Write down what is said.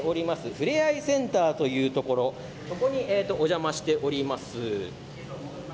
ふれあいセンターというところそこにお邪魔しております。